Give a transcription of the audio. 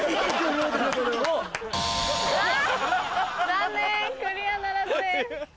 残念クリアならずです。